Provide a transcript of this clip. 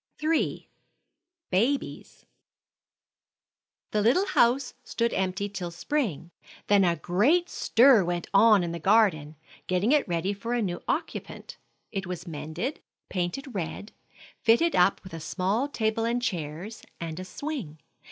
III. BABIES. The little house stood empty till spring; then a great stir went on in the garden, getting it ready for a new occupant. It was mended, painted red, fitted up with a small table and chairs, and a swing.